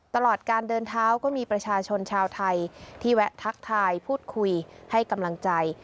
ตลอดการเดินเท้าก็มีประชาชนชาวไทยที่แวะทักทายพูดคุยให้กำลังใจ